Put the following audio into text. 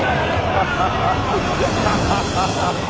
ハハハハハッ！